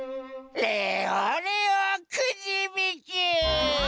レオレオくじびき！